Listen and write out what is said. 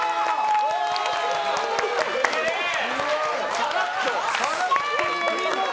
さらっと。